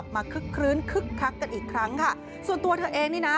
คึกคลื้นคึกคักกันอีกครั้งค่ะส่วนตัวเธอเองนี่นะ